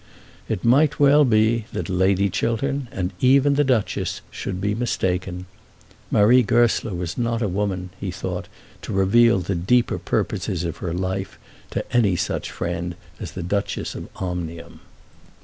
It might well be that Lady Chiltern, and even the Duchess, should be mistaken. Marie Goesler was not a woman, he thought, to reveal the deeper purposes of her life to any such friend as the Duchess of Omnium.